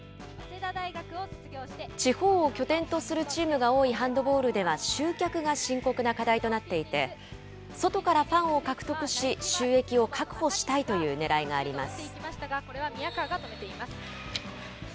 地方を拠点とするチームが多いハンドボールでは、集客が深刻な課題となっていて、外からファンを獲得し、収益を確保したいというねらいがあります。